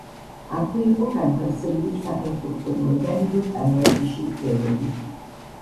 აქვე იყო განთავსებული საფეხბურთო მოედანი და ტანვარჯიშის ძელები.